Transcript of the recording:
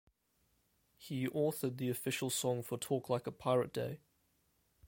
He authored the official song for Talk Like a Pirate Day.